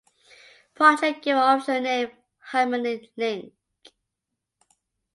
Project given official name Harmony Link.